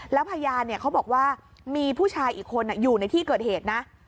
แล้วพยานเขาบอกว่ามีผู้ชายอีกคนอยู่ในที่เกิดเหตุนะ